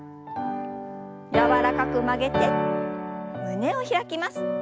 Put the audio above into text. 柔らかく曲げて胸を開きます。